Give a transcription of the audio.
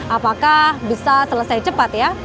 apakah bisa selesai cepat ya